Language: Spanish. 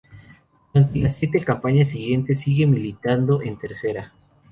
Durante las siete campañas siguientes sigue militando en Tercera.